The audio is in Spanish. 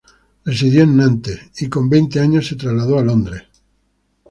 Residió en Nantes y con veinte años se trasladó a Londres.